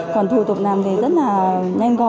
còn thủ tục này thì rất là nhanh